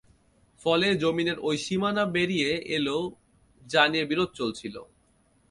ফলে জমিনের ঐ সীমানা বেরিয়ে এল যা নিয়ে বিরোধ চলছিল।